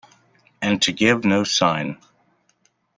And to give no sign!